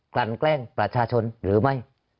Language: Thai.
ลั่นแกล้งประชาชนหรือไม่